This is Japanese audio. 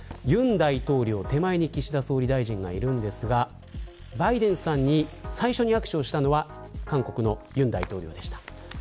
大統領手前に岸田総理大臣がいるんですがバイデンさんに最初に握手をしたのは韓国の尹大統領でした。